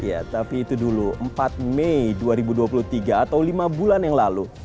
ya tapi itu dulu empat mei dua ribu dua puluh tiga atau lima bulan yang lalu